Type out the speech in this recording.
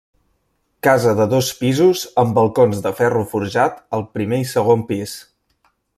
Casa de dos pisos amb balcons de ferro forjat al primer i segon pis.